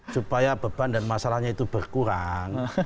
supaya beban dan masalahnya itu berkurang